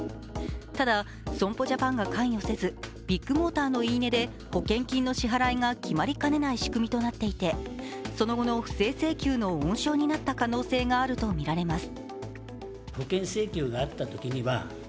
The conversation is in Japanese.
ただ損保ジャパンが関与せず、ビッグモーターの言い値で保険金の支払いが決まりかねない仕組みとなっていて、その後の不正請求の温床になった可能性があるとみられます。